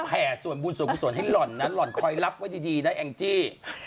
แผ่ส่วนบุญส่วนคุณส่วนให้หล่อนนั้นหล่อนคอยรับไว้ดีนะแองจี้